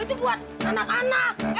itu buat anak anak